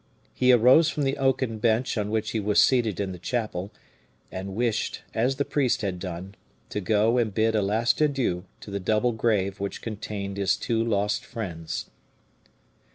He arose from the oaken bench on which he was seated in the chapel, and wished, as the priest had done, to go and bid a last adieu to the double grave which contained his two lost friends.